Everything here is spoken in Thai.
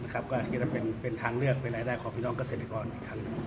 ก็คิดว่าเป็นทางเลือกเป็นรายได้ของพี่น้องเกษตรกรอีกครั้งหนึ่ง